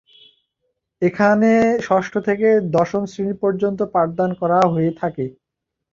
এখানে ষষ্ঠ থেকে দশম শ্রেণী পর্য্যন্ত পাঠদান করা হয়ে থাকে।